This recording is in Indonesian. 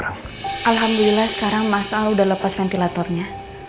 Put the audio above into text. alhamdulillah sekarang mas al udah lepas ventilatornya